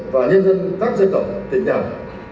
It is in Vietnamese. và nhân dân các dân tộc tỉnh đàm